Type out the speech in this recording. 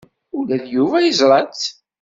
Ula d Yuba yeẓra-tt.